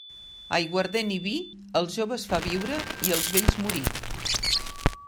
Aiguardent i vi, els joves fa viure i els vells morir.